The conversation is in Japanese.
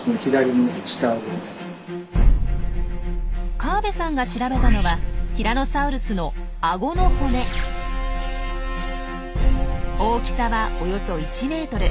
河部さんが調べたのはティラノサウルスの大きさはおよそ１ｍ。